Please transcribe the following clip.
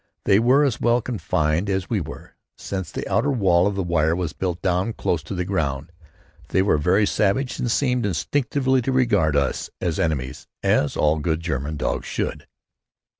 They were as well confined as we were, since the outer wall of wire was built down close to the ground. They were very savage and seemed instinctively to regard us as enemies; as all good German dogs should.